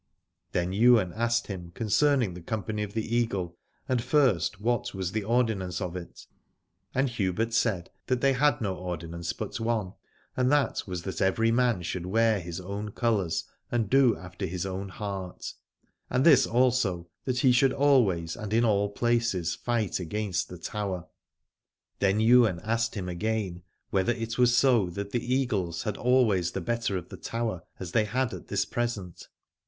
Then Ywain asked him concerning the 85 Aladore company of the Eagle, and first, what was the ordinance of it : and Hubert said that they had no ordinance but one, and that was that every man should wear his own colours and do after his own heart : and this also, that he should always and in all places fight against the Tower. Then Ywain asked him again whether it was so that the Eagles had always the better of the Tower, as they had at this present.